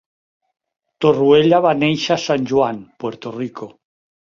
Torruella va néixer a San Juan, Puerto Rico.